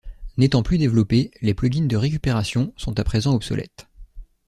N'étant plus développés, les plugins de récupération sont à présent obsolètes.